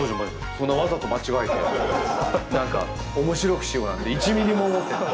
そんなわざと間違えて何か面白くしようなんて１ミリも思ってない。